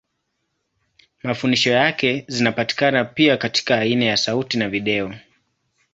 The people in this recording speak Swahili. Mafundisho yake zinapatikana pia katika aina ya sauti na video.